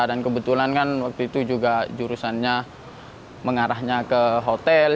dan kebetulan kan waktu itu juga jurusannya mengarahnya ke hotel